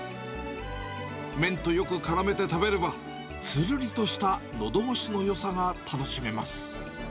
麺とよくからめて食べれば、つるりとしたのどごしのよさが楽しめます。